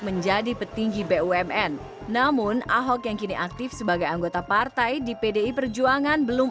menjadi petinggi bumn namun ahok yang kini aktif sebagai anggota partai di pdi perjuangan belum